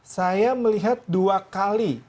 saya melihat dua kali